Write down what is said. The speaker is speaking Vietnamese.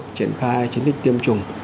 triển khai chiến dịch tiêm chủng